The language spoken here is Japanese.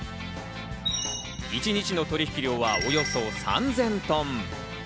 一日の取引量は、およそ３０００トン。